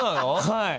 はい。